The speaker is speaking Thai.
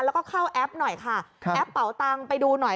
แล้วก็เข้าแอปหน่อยค่ะครับแอปเป่าตังค์ไปดูหน่อย